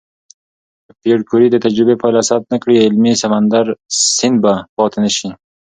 که پېیر کوري د تجربې پایله ثبت نه کړي، علمي سند به پاتې نشي.